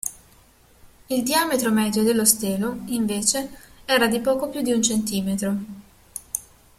Il diametro medio dello stelo, invece, era di poco più di un centimetro.